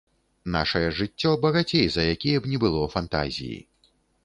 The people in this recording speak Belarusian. Нашае жыццё багацей за якія б ні было фантазіі.